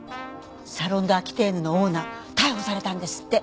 サロン・ド・アキテーヌのオーナー逮捕されたんですって。